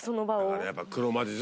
だからやっぱ。